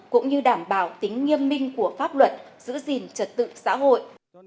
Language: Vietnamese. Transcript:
cũng như đảm bảo tính nghiêm minh của pháp luật giữ gìn trật tự xã hội